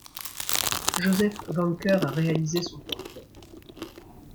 Joseph Wencker a réalisé son portrait.